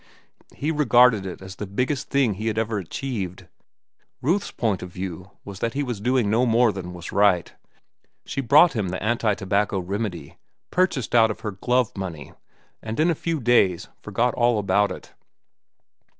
He regarded it as the biggest thing he had ever achieved. Ruth's point of view was that he was doing no more than was right. She brought him the anti tobacco remedy, purchased out of her glove money, and in a few days forgot all about it.